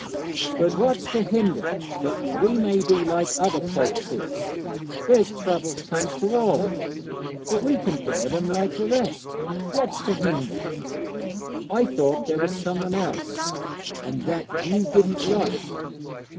'But what's to hinder that we may be like other folks is? There's troubles comes to all, but we can bear them like the rest. What's to hinder? I thought there was some one else, an' that you didn't like.